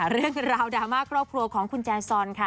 เรื่องราวดราม่าครอบครัวของคุณแจซอนค่ะ